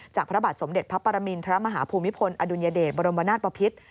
พระบาทสมเด็จพระปรมินทรมาฮภูมิพลอดุลยเดชบรมนาศปภิษ